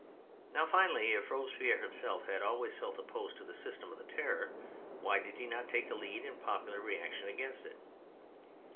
Now, finally, if Robespierre himself had always felt opposed to the system of the Terror, why did he not take the lead in the popular reaction against it